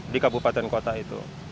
di kabupaten kota itu